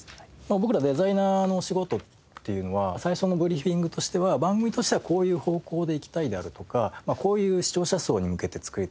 僕らデザイナーの仕事っていうのは最初のブリーフィングとしては番組としてはこういう方向でいきたいであるとかこういう視聴者層に向けて作りたいですとか